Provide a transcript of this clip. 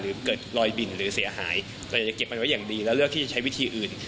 หรือเกิดรอยบินหรือเสียหายเราอยากจะเก็บมันไว้อย่างดีและเลือกที่จะใช้วิธีอื่น